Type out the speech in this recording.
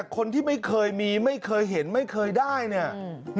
คนที่ไม่เคยมีไม่เคยเห็นไม่เคยได้เนี่ย